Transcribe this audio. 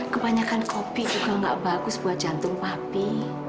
kebanyakan kopi juga nggak bagus buat jantung papi